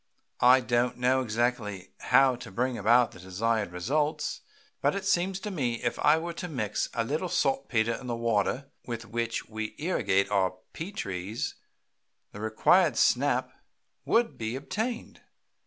I don't exactly know how to bring about the desired results, but it seems to me if I were to mix a little saltpetre in the water with which we irrigate our pea trees the required snap would be obtained.